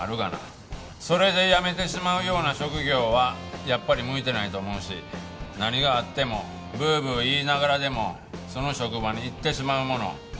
それで辞めてしまうような職業はやっぱり向いてないと思うし何があってもブーブー言いながらでもその職場に行ってしまうもの。